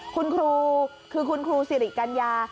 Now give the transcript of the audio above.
คุณครูคือคุณครูสิริกัญญา